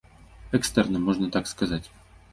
Экстэрнам, можна так сказаць.